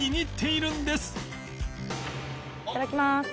いただきます。